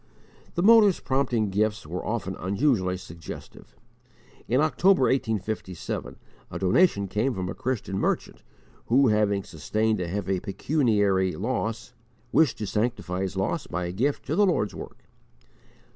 The motives prompting gifts were often unusually suggestive. In October, 1857, a donation came from a Christian merchant who, having sustained a heavy pecuniary loss, _wished to sanctify his loss by a gift to the Lord's work.